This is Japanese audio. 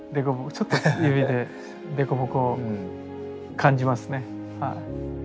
ちょっと指でデコボコを感じますねはい。